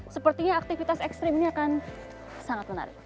sepertinya aktivitas ekstrim ini akan sangat menarik